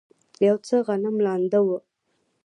یو څه غنم لانده و.